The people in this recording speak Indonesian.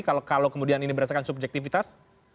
kalau kemudian ini berdasarkan subjektivitas